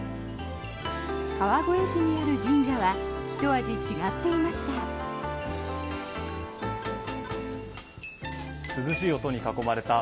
川越市にある神社はひと味違っていました。